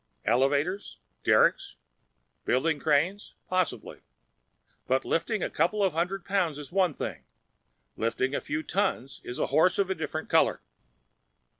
"Elevators? Derricks? Building cranes? Possible. But lifting a couple hundred pounds is one thing. Lifting a few tons is a horse of a different color.